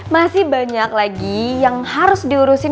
masih banyak lagi yang harus diurusin